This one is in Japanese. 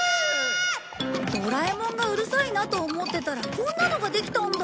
ドラえもんがうるさいなと思ってたらこんなのができたんだ。